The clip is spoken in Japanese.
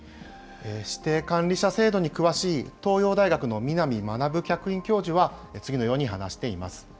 指定管理者制度に詳しい東洋大学の南学客員教授は、次のように話しています。